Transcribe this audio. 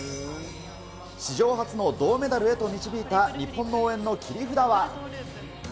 史上初の銅メダルへと導いた日本の応援の切り札は。